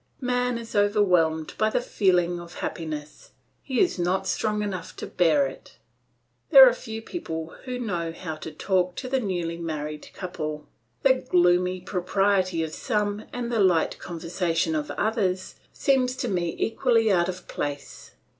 Man is overwhelmed by the feeling of happiness, he is not strong enough to bear it. There are few people who know how to talk to the newly married couple. The gloomy propriety of some and the light conversation of others seem to me equally out of place.